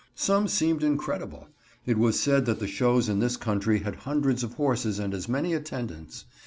Some seemed incredible. It was said that the shows in this country had hundreds of horses and as many attendants.